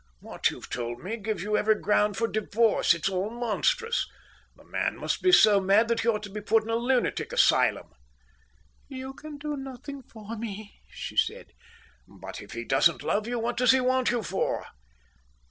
What you've told me gives you every ground for divorce. It's all monstrous. The man must be so mad that he ought to be put in a lunatic asylum." "You can do nothing for me," she said. "But if he doesn't love you, what does he want you for?"